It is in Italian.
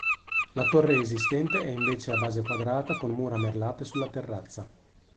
La torre esistente è invece a base quadrata con mura merlate sulla terrazza.